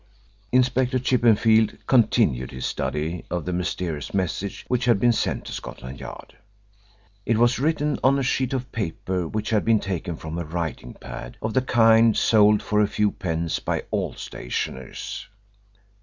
Inspector Chippenfield continued his study of the mysterious message which had been sent to Scotland Yard. It was written on a sheet of paper which had been taken from a writing pad of the kind sold for a few pence by all stationers.